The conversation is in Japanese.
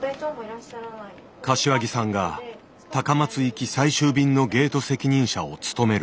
柏木さんが高松行き最終便のゲート責任者を務める。